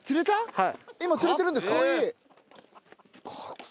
はい。